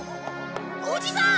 おじさん！